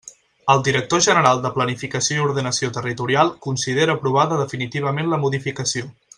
El director general de Planificació i Ordenació Territorial considera aprovada definitivament la modificació.